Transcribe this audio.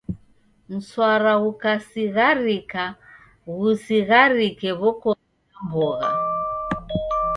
Mswara ghukasigharika, ghusigharike w'okoni na mbogha.